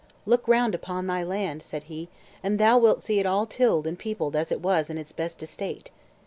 "Look round upon thy land," said he, "and thou wilt see it all tilled and peopled as it was in its best estate."